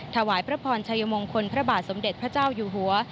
ถวายพระพรชัยมงคลพระบาทสมเด็จพระเจ้าอยู่หัว